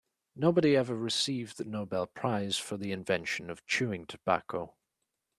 Nobody ever received the Nobel prize for the invention of chewing tobacco.